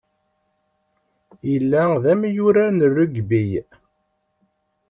Yella d amyurar n rugby.